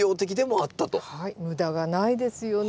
はい無駄がないですよね。